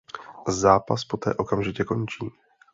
Zápas poté okamžitě končí.